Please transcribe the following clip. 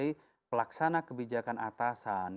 kemudian yang kedua sebagai pelaksana kebijakan atasan